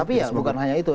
tapi ya bukan hanya itu